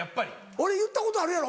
俺言ったことあるやろ？